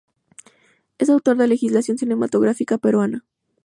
Es autor de legislación cinematográfica peruana.